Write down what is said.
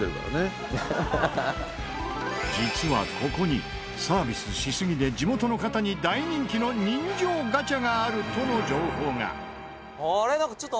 実はここにサービスしすぎで地元の方に大人気の人情ガチャがあるとの情報が！